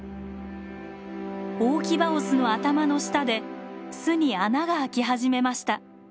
大キバオスの頭の下で巣に穴が開き始めました。